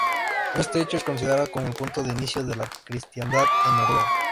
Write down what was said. Este hecho es considerado como el punto de inicio de la cristiandad en Noruega.